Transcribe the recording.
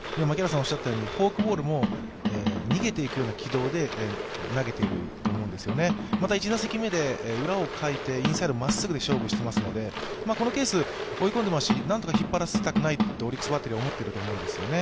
おっしゃったように、フォークボールも逃げていくような軌道で投げていると思うんですよね、また１打席目で裏をかいてインサイド、まっすぐで勝負していますので、このケース、追い込んでいますし、なんとか引っ張らせたくないとオリックスバッテリーは思っていると思うんですね。